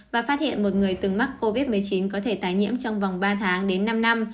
và phát hiện một người từng mắc covid một mươi chín có thể tái nhiễm trong vòng ba tháng đến năm năm